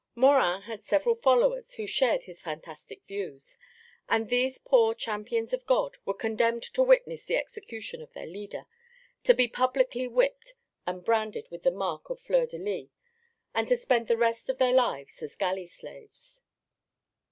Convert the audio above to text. Morin had several followers who shared his fantastic views, and these poor "champions of God" were condemned to witness the execution of their leader, to be publicly whipped and branded with the mark of fleur de lys, and to spend the rest of their lives as galley slaves.